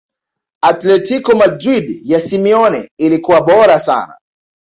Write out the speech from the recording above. athletico madrid ya simeone ilikuwa bora sana